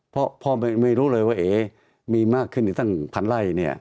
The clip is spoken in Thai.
เพราะพ่อไม่รู้เลยว่าเอ๋มีมากขึ้นตั้งพันไร่เนี่ย